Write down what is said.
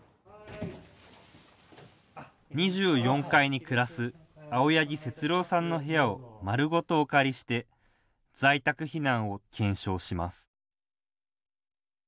２４階に暮らす青柳節朗さんの部屋を丸ごとお借りして在宅避難を検証します。